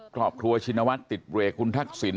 ครอบครัวชินวัฒน์ติดเรกคุณทักษิณ